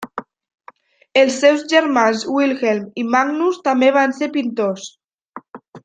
Els seus germans Wilhelm i Magnus també van ser pintors.